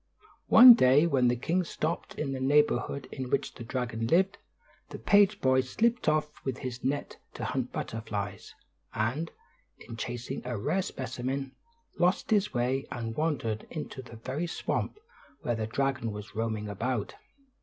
One day when the king stopped in the neighborhood in which the dragon lived, the page boy slipped off with his net to hunt butterflies; and, in chasing a rare specimen, lost his way and wandered into the very swamp where the dragon was roaming about.